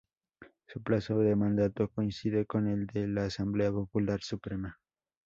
Su plazo de mandato coincide con el de la Asamblea Popular Suprema.